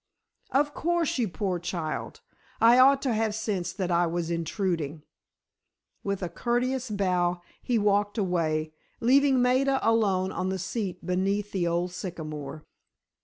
"Of course, you poor child! I ought to have sensed that I was intruding!" With a courteous bow, he walked away, leaving Maida alone on the seat beneath the old sycamore.